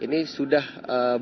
ini sudah beliau